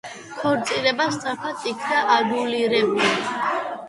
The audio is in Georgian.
ქორწინება სწრაფად იქნა ანულირებული.